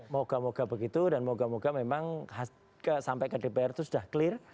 moga moga begitu dan moga moga memang sampai ke dpr itu sudah clear